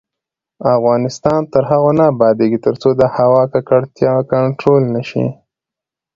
افغانستان تر هغو نه ابادیږي، ترڅو د هوا ککړتیا کنټرول نشي.